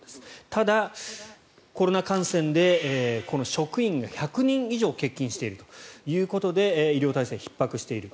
ただ、コロナ感染で職員が１００人以上欠勤しているということで医療体制がひっ迫している。